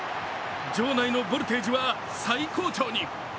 場内のボルテージは最高潮に。